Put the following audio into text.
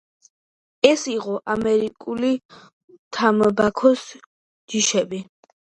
ეს იყო ამერიკული თამბაქოს ჯიშები.